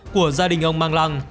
của gia đình ông mang lăng